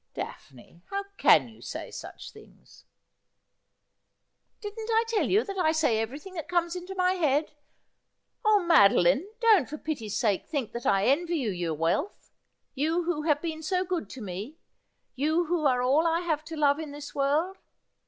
' Daphne, how can you say such things ?'' Didn't I tell you that I say everything that comes into my head ? Oh, Madeline, don't for pity's sake think that I envy you your wealth — you who have been so good to me, you who are all I have to love in this world